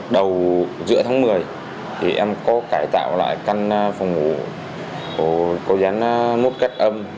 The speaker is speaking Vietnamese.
đầu giữa tháng một mươi em có cải tạo lại căn phòng ngủ cố gắng mút cắt âm